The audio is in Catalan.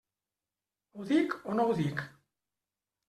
Ho dic o no ho dic?